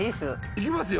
いきますよ！